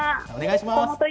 お願いします。